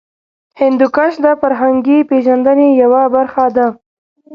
هندوکش د فرهنګي پیژندنې یوه برخه ده.